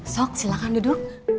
sok silahkan duduk